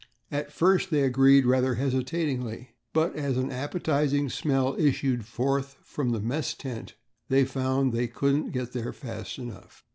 At first they agreed rather hesitatingly but, as an appetizing smell issued forth from the mess tent, they found that they couldn't get there fast enough.